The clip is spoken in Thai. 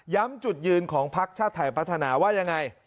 จุดยืนของพักชาติไทยพัฒนาว่ายังไง